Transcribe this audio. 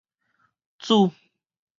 梓